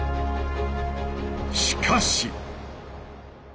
しかし！